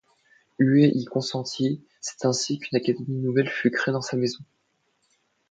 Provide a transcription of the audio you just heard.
Huet y consentit, et c’est ainsi qu’une Académie nouvelle fut créée dans sa maison.